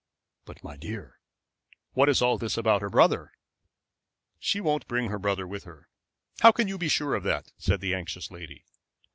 "But, my dear, what is all this about her brother?" "She won't bring her brother with her." "How can you be sure of that?" said the anxious lady.